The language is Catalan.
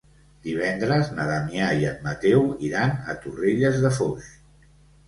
Divendres na Damià i en Mateu iran a Torrelles de Foix.